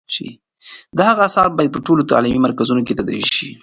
د هغه آثار باید په ټولو تعلیمي مرکزونو کې تدریس شي.